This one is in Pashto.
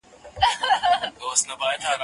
زه اوږده وخت بازار ته ځم وم!!